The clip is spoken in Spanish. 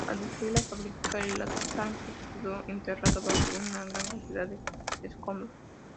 Al destruir la fábrica, el tanque quedó enterrado bajo una gran cantidad de escombros.